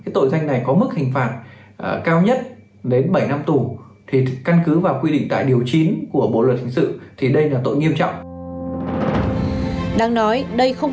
trong vụ án này ông trịnh văn quyết đã bị bắt tạm giam để điều tra về hành vi thao túng chứng khoán